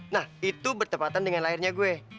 nah itu bertepatan dengan lahirnya gue